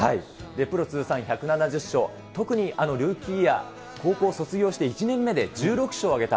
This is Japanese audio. プロ通算１７０勝、特にルーキーイヤー、高校卒業して１年目で１６勝を挙げた。